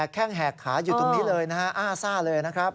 แข้งแหกขาอยู่ตรงนี้เลยนะฮะอ้าซ่าเลยนะครับ